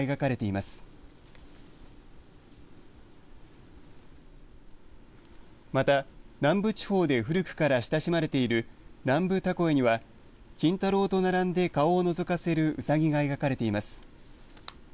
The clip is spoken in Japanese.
また、南部地方で古くから親しまれている南部凧絵には金太郎と並んで顔をのぞかせるうさぎが描かれています。